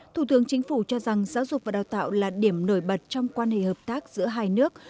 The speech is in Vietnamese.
thủ tướng chính phủ cho rằng giáo dục và đào tạo là điểm nổi bật trong quan hệ hợp tác giữa hai nước